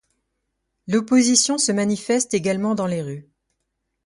L'opposition se manifeste également dans les rues.